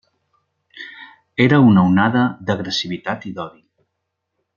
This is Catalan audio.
Era una onada d'agressivitat i d'odi.